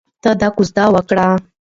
ته دا کوژده وکړه.